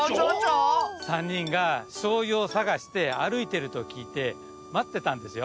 さんにんがしょうゆをさがしてあるいてるときいてまってたんですよ。